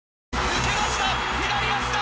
抜けました。